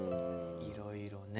いろいろね。